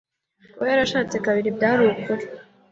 Kuba yarashatse kabiri byari ukuri.